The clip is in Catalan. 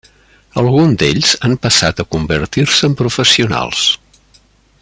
Alguns d'ells han passat a convertir-se en professionals.